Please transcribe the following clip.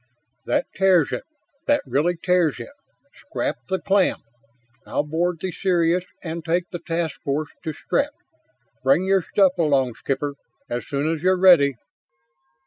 "That tears it that really tears it! Scrap the plan. I'll board the Sirius and take the task force to Strett. Bring your stuff along, Skipper, as soon as you're ready."